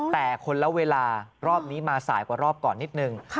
แต่คนละเวลารอบนี้มาสายกว่ารอบก่อนนิดนึง